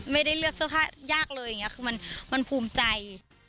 ไม่ได้เลือกเสื้อผ้ายากเลยอย่างนี้คือมันภูมิใจ